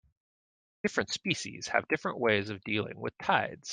Different species have different ways of dealing with tides.